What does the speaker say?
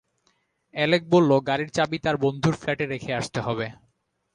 Alec বলল গাড়ির চাবি তার বন্ধুর ফ্ল্যাটে রেখে আসতে হবে।